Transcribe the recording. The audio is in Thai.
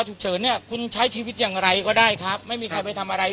ฉุกเฉินเนี่ยคุณใช้ชีวิตอย่างไรก็ได้ครับไม่มีใครไปทำอะไร